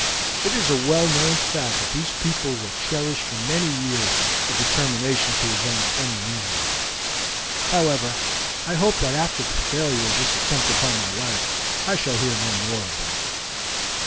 It is a well known fact that these people will cherish for many years a determination to avenge any injury. However, I hope that after the failure of this attempt upon my life I shall hear no more of them."